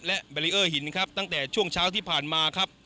และแบรีเออร์หินครับตั้งแต่ช่วงเช้าที่ผ่านมาครับ